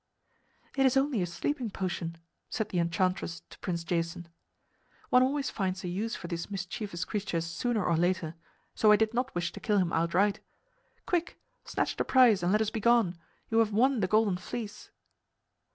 "It is only a sleeping potion," said the enchantress to Prince Jason. "One always finds a use for these mischievous creatures sooner or later; so I did not wish to kill him outright. Quick! Snatch the prize and let us begone. You have won the Golden Fleece."